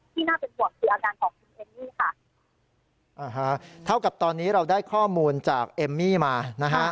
น่าเป็นห่วงคืออาการของคุณเอมมี่ค่ะอ่าฮะเท่ากับตอนนี้เราได้ข้อมูลจากเอมมี่มานะฮะ